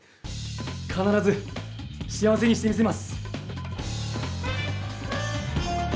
かならず幸せにしてみせます！